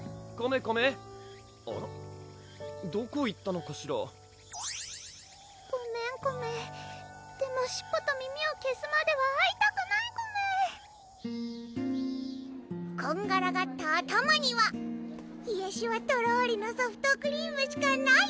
どこ行ったのかしらごめんコメでも尻尾と耳を消すまでは会いたくないコメこんがらがった頭にはひえシュワとろりのソフトクリームしかない！